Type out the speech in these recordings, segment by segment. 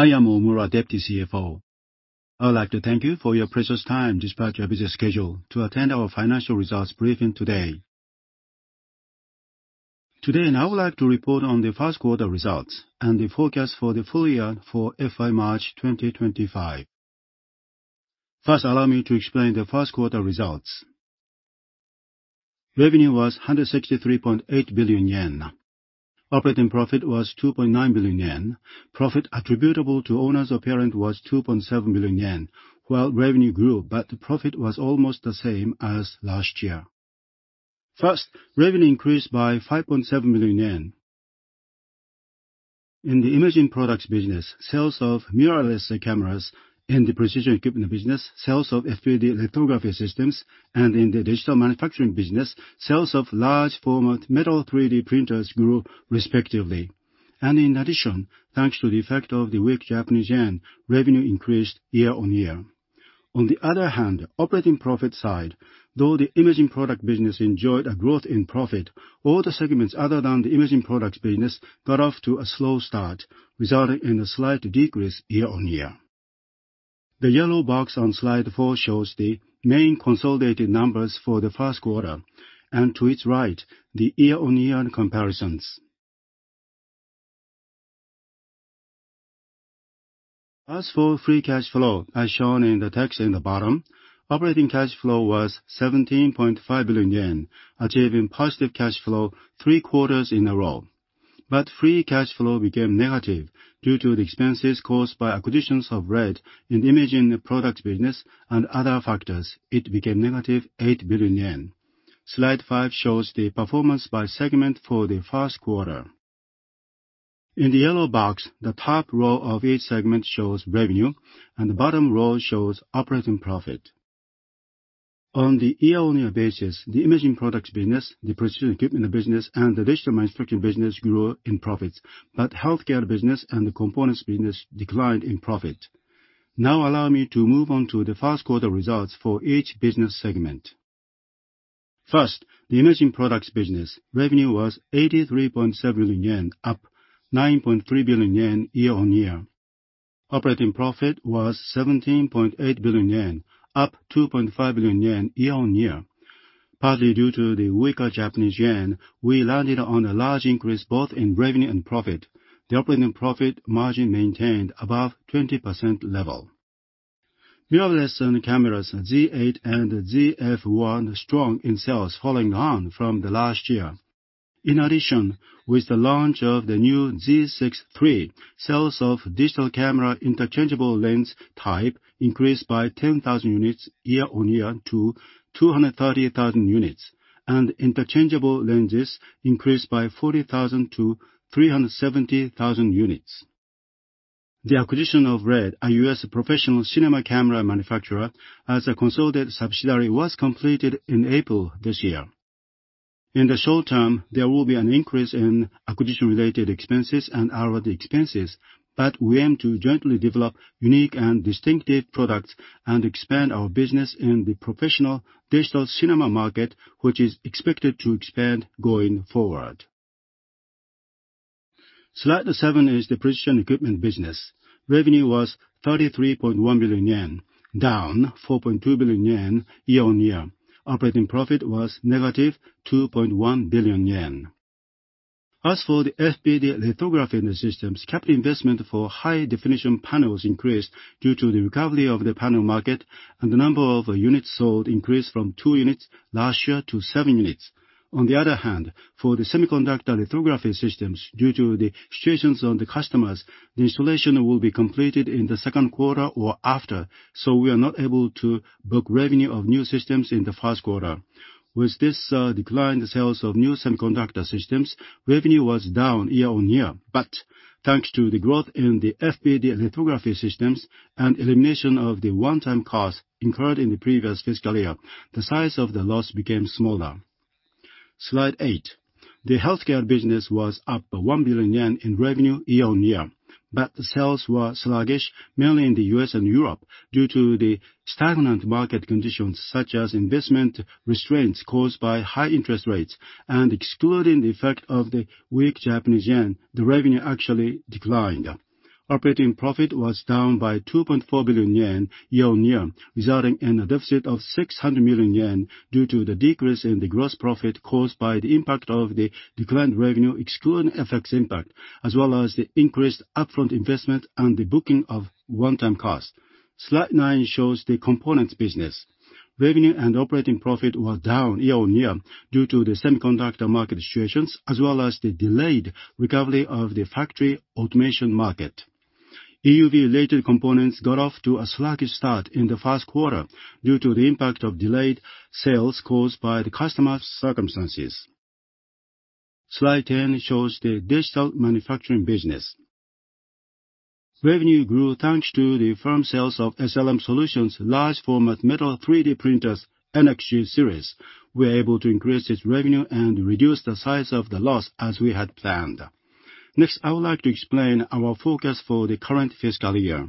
I am Ohmura, Deputy CFO. I would like to thank you for your precious time, despite your busy schedule, to attend our financial results briefing today. Today, I would like to report on the first quarter results and the forecast for the full year for FY March 2025. First, allow me to explain the first quarter results. Revenue was 163.8 billion yen. Operating profit was 2.9 billion yen. Profit attributable to owners of parent was 2.7 billion yen, while revenue grew, but the profit was almost the same as last year. First, revenue increased by 5.7 million yen. In the Imaging Products Business, sales of mirrorless cameras, in the Precision Equipment Business, sales of FPD lithography systems, and in the Digital Manufacturing Business, sales of large format metal 3D printers grew respectively. In addition, thanks to the effect of the weak Japanese yen, revenue increased year-on-year. On the other hand, operating profit side, though the Imaging Product Business enjoyed a growth in profit, all the segments other than the Imaging Products Business got off to a slow start, resulting in a slight decrease year-on-year. The yellow box on Slide 4 shows the main consolidated numbers for the first quarter, and to its right, the year-on-year comparisons. As for free cash flow, as shown in the text in the bottom, operating cash flow was 17.5 billion yen, achieving positive cash flow three quarters in a row. But free cash flow became negative due to the expenses caused by acquisitions of RED in Imaging Product Business and other factors. It became negative 8 billion yen. Slide 5 shows the performance by segment for the first quarter. In the yellow box, the top row of each segment shows revenue, and the bottom row shows operating profit. On the year-over-year basis, the Imaging Products Business, the Precision Equipment Business, and the Digital Manufacturing Business grew in profits, but Healthcare Business and the Components Business declined in profit. Now allow me to move on to the first quarter results for each business segment. First, the Imaging Products Business. Revenue was 83.7 billion yen, up 9.3 billion yen year-over-year. Operating profit was 17.8 billion yen, up 2.5 billion yen year-over-year. Partly due to the weaker Japanese yen, we landed on a large increase both in revenue and profit. The operating profit margin maintained above 20% level. Mirrorless cameras Z8 and Zf, strong in sales, following on from the last year. In addition, with the launch of the new Z6III, sales of digital camera interchangeable lens type increased by 10,000 units year-on-year to 230,000 units, and interchangeable lenses increased by 40,000 to 370,000 units. The acquisition of RED, a U.S. professional cinema camera manufacturer, as a consolidated subsidiary, was completed in April this year. In the short term, there will be an increase in acquisition-related expenses and hourly expenses, but we aim to jointly develop unique and distinctive products and expand our business in the professional digital cinema market, which is expected to expand going forward. Slide 7 is the Precision Equipment Business. Revenue was 33.1 billion yen, down 4.2 billion yen year-on-year. Operating profit was -2.1 billion yen. As for the FPD lithography systems, capital investment for high-definition panels increased due to the recovery of the panel market, and the number of units sold increased from 2 units last year to 7 units. On the other hand, for the semiconductor lithography systems, due to the situations on the customers, the installation will be completed in the second quarter or after, so we are not able to book revenue of new systems in the first quarter. With this, decline in the sales of new semiconductor systems, revenue was down year-on-year. But thanks to the growth in the FPD lithography systems and elimination of the one-time cost incurred in the previous fiscal year, the size of the loss became smaller. Slide 8. The Healthcare Business was up 1 billion yen in revenue year-on-year, but the sales were sluggish, mainly in the U.S. and Europe, due to the stagnant market conditions, such as investment restraints caused by high interest rates. And excluding the effect of the weak Japanese yen, the revenue actually declined. Operating profit was down by 2.4 billion yen year-on-year, resulting in a deficit of 600 million yen due to the decrease in the gross profit caused by the impact of the declined revenue, excluding FX impact, as well as the increased upfront investment and the booking of one-time costs. Slide 9 shows the Components Business. Revenue and operating profit were down year-on-year due to the semiconductor market situations, as well as the delayed recovery of the factory automation market. EUV-related components got off to a sluggish start in the first quarter due to the impact of delayed sales caused by the customer's circumstances. Slide 10 shows the Digital Manufacturing Business. Revenue grew thanks to the firm sales of SLM Solutions, large format metal 3D printers, NXG series. We were able to increase its revenue and reduce the size of the loss as we had planned. Next, I would like to explain our forecast for the current fiscal year....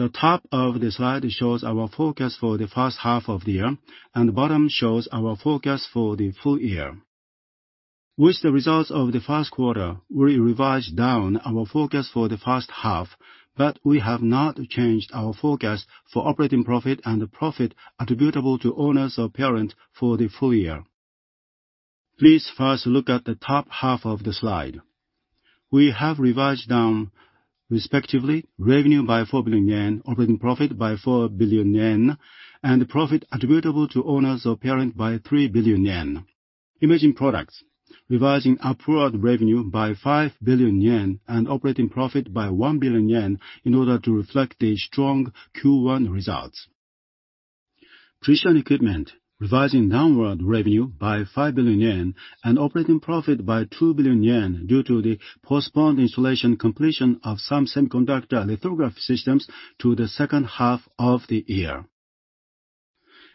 The top of the slide shows our forecast for the first half of the year, and the bottom shows our forecast for the full year. With the results of the first quarter, we revised down our forecast for the first half, but we have not changed our forecast for operating profit and the profit attributable to owners of parent for the full year. Please first look at the top half of the slide. We have revised down, respectively, revenue by 4 billion yen, operating profit by 4 billion yen, and the profit attributable to owners of parent by 3 billion yen. Imaging products, revising upward revenue by 5 billion yen and operating profit by 1 billion yen in order to reflect the strong Q1 results. Precision Equipment, revising downward revenue by 5 billion yen and operating profit by 2 billion yen due to the postponed installation completion of some semiconductor lithography systems to the second half of the year.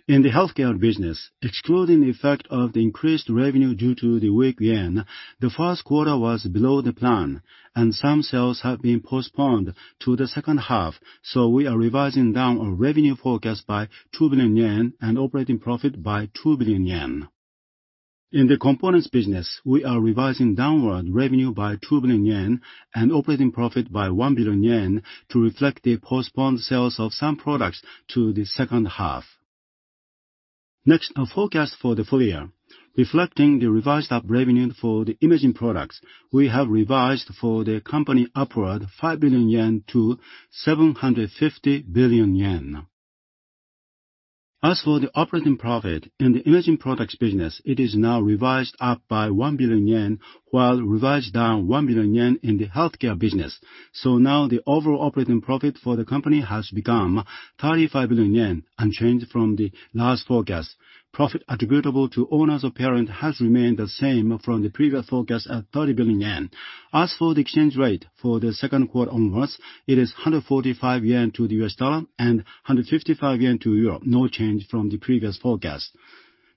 In the Healthcare Business, excluding the effect of the increased revenue due to the weak yen, the first quarter was below the plan, and some sales have been postponed to the second half, so we are revising down our revenue forecast by 2 billion yen and operating profit by 2 billion yen. In the Components Business, we are revising downward revenue by 2 billion yen and operating profit by 1 billion yen to reflect the postponed sales of some products to the second half. Next, our forecast for the full year. Reflecting the revised up revenue for the Imaging Products, we have revised for the company upward 5 billion yen to 750 billion yen. As for the operating profit in the Imaging Products Business, it is now revised up by 1 billion yen, while revised down 1 billion yen in the Healthcare Business. So now the overall operating profit for the company has become 35 billion yen, unchanged from the last forecast. Profit attributable to owners of parent has remained the same from the previous forecast at 30 billion yen. As for the exchange rate, for the second quarter onwards, it is 145 yen to the U.S. dollar and 155 yen to euro, no change from the previous forecast.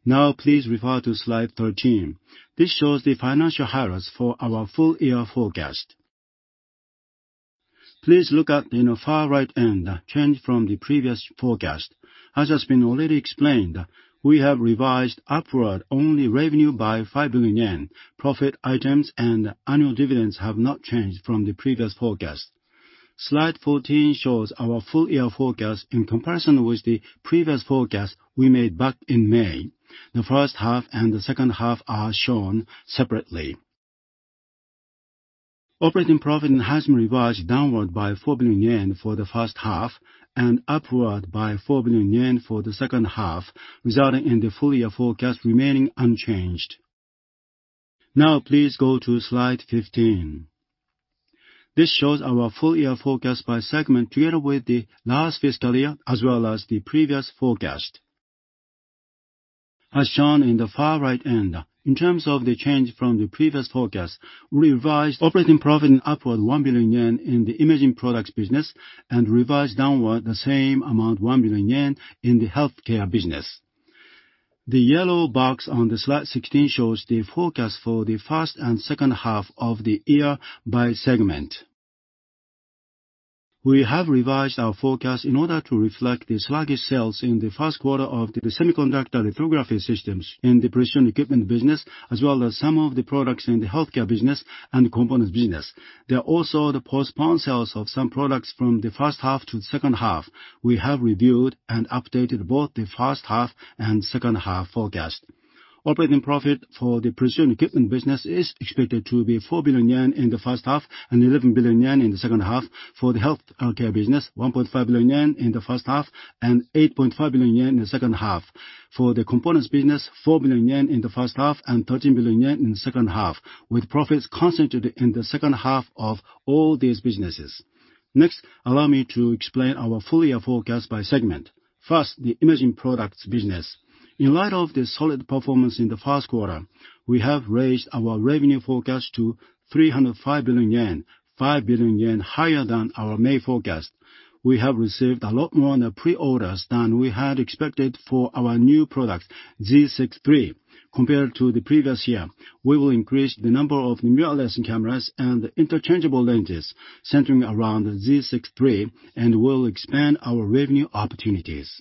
Now please refer to Slide 13. This shows the financial highlights for our full-year forecast. Please look at in the far right end, change from the previous forecast. As has been already explained, we have revised upward only revenue by 5 billion yen. Profit items and annual dividends have not changed from the previous forecast. Slide 14 shows our full-year forecast in comparison with the previous forecast we made back in May. The first half and the second half are shown separately. Operating profit has been revised downward by 4 billion yen for the first half and upward by 4 billion yen for the second half, resulting in the full-year forecast remaining unchanged. Now please go to Slide 15. This shows our full-year forecast by segment, together with the last fiscal year, as well as the previous forecast. As shown in the far right end, in terms of the change from the previous forecast, we revised operating profit upward 1 billion yen in the Imaging Products Business and revised downward the same amount, 1 billion yen, in the Healthcare Business. The yellow box on the Slide 16 shows the forecast for the first and second half of the year by segment. We have revised our forecast in order to reflect the sluggish sales in the first quarter of the semiconductor lithography systems in the Precision Equipment Business, as well as some of the products in the Healthcare Business and Components Business. There are also the postponed sales of some products from the first half to the second half. We have reviewed and updated both the first half and second half forecast. Operating profit for the Precision Equipment Business is expected to be 4 billion yen in the first half and 11 billion yen in the second half. For the Healthcare Business, 1.5 billion yen in the first half and 8.5 billion yen in the second half. For the Components Business, 4 billion yen in the first half and 13 billion yen in the second half, with profits concentrated in the second half of all these businesses. Next, allow me to explain our full-year forecast by segment. First, the Imaging Products Business. In light of the solid performance in the first quarter, we have raised our revenue forecast to 305 billion yen, 5 billion yen higher than our May forecast. We have received a lot more pre-orders than we had expected for our new product, Z6III. Compared to the previous year, we will increase the number of mirrorless cameras and interchangeable lenses centering around Z6III, and we'll expand our revenue opportunities.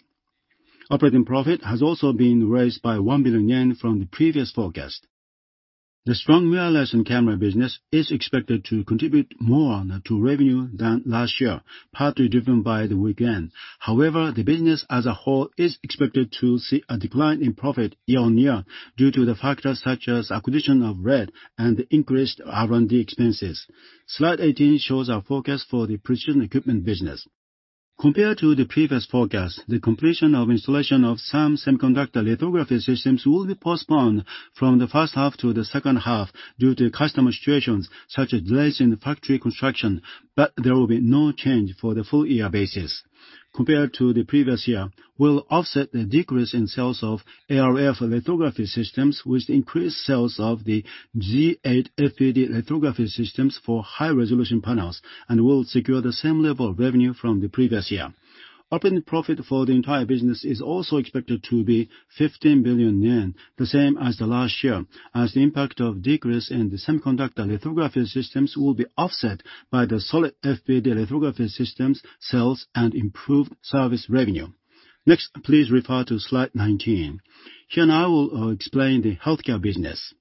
Operating profit has also been raised by 1 billion yen from the previous forecast. The strong mirrorless and camera business is expected to contribute more to revenue than last year, partly driven by the weak yen. However, the business as a whole is expected to see a decline in profit year-on-year due to the factors such as acquisition of RED and increased R&D expenses. Slide 18 shows our forecast for the Precision Equipment Business. Compared to the previous forecast, the completion of installation of some semiconductor lithography systems will be postponed from the first half to the second half due to customer situations, such as delays in factory construction, but there will be no change for the full-year basis. Compared to the previous year, we'll offset the decrease in sales of ArF lithography systems, with increased sales of the G8 FPD lithography systems for high-resolution panels, and we'll secure the same level of revenue from the previous year. Operating profit for the entire business is also expected to be 15 billion yen, the same as the last year, as the impact of decrease in the semiconductor lithography systems will be offset by the solid FPD lithography systems, sales, and improved service revenue. Next, please refer to Slide 19. Here now, I will explain the Healthcare Business.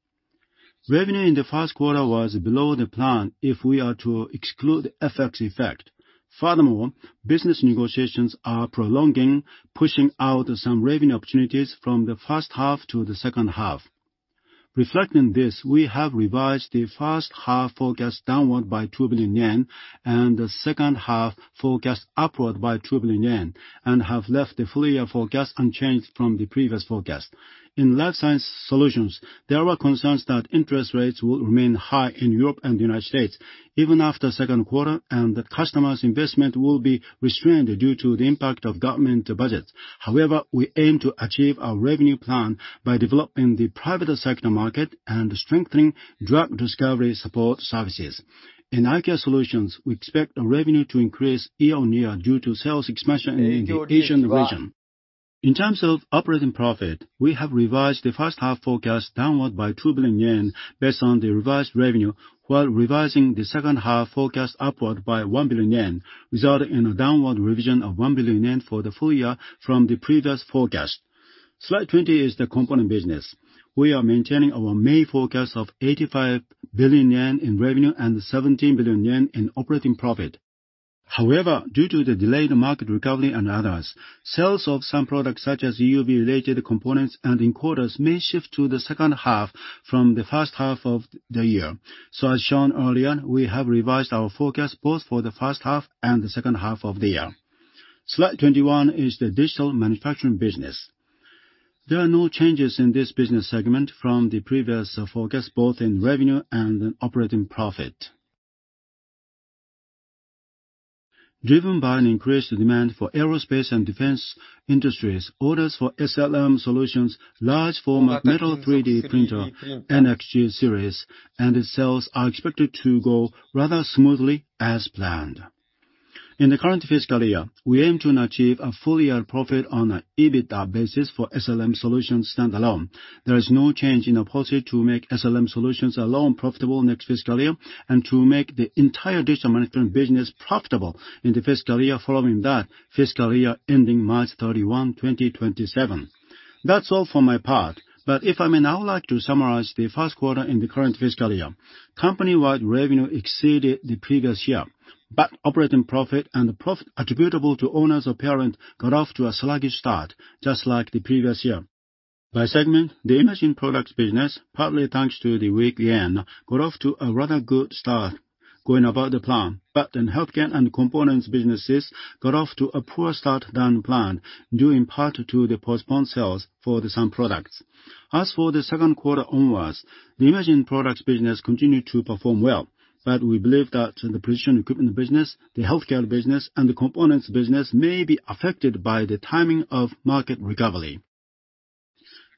Revenue in the first quarter was below the plan if we are to exclude FX effect. Furthermore, business negotiations are prolonging, pushing out some revenue opportunities from the first half to the second half. Reflecting this, we have revised the first half forecast downward by 2 billion yen, and the second half forecast upward by 2 billion yen, and have left the full year forecast unchanged from the previous forecast. In Life Science Solutions, there were concerns that interest rates will remain high in Europe and the United States, even after second quarter, and the customer's investment will be restrained due to the impact of government budgets. However, we aim to achieve our revenue plan by developing the private sector market and strengthening drug discovery support services. In Eye Care Solutions, we expect our revenue to increase year-on-year due to sales expansion in the Asian region. In terms of operating profit, we have revised the first half forecast downward by 2 billion yen based on the revised revenue, while revising the second half forecast upward by 1 billion yen, resulting in a downward revision of 1 billion yen for the full year from the previous forecast. Slide 20 is the Components Business. We are maintaining our main forecast of 85 billion yen in revenue and 17 billion yen in operating profit. However, due to the delayed market recovery and others, sales of some products, such as EUV-related components and encoders, may shift to the second half from the first half of the year. So as shown earlier, we have revised our forecast both for the first half and the second half of the year. Slide 21 is the Digital Manufacturing Business. There are no changes in this business segment from the previous forecast, both in revenue and in operating profit. Driven by an increased demand for aerospace and defense industries, orders for SLM Solutions, large format metal 3D printer, NXG series, and its sales are expected to go rather smoothly as planned. In the current fiscal year, we aim to achieve a full-year profit on an EBITDA basis for SLM Solutions standalone. There is no change in our policy to make SLM Solutions alone profitable next fiscal year, and to make the entire Digital Manufacturing Business profitable in the fiscal year following that fiscal year ending March 31, 2027. That's all for my part, but if I may, now I'd like to summarize the first quarter in the current fiscal year. Company-wide revenue exceeded the previous year, but operating profit and the profit attributable to owners of parent got off to a sluggish start, just like the previous year. By segment, the Imaging Products Business, partly thanks to the weak yen, got off to a rather good start, going above the plan. But the Healthcare and Components Businesses got off to a poor start than planned, due in part to the postponed sales for some products. As for the second quarter onwards, the Imaging Products Business continued to perform well, but we believe that the Precision Equipment Business, the Healthcare Business, and the Components Business may be affected by the timing of market recovery.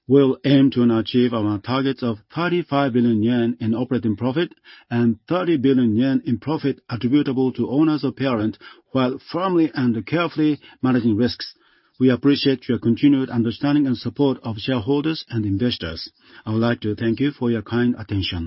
We'll aim to achieve our targets of 35 billion yen in operating profit and 30 billion yen in profit attributable to owners of parent, while firmly and carefully managing risks. We appreciate your continued understanding and support of shareholders and investors. I would like to thank you for your kind attention.